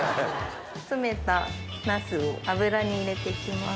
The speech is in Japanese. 詰めたナスを油に入れて行きます。